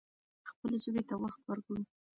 خپلې ژبې ته وخت ورکړو.